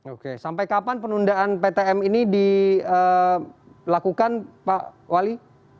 oke sampai kapan penundaan ptm ini dilakukan pak wali